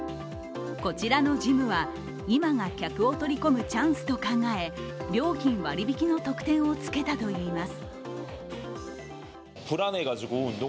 こちらのジムは今が客を取り込むチャンスと考え、料金割引きの特典をつけたといいます。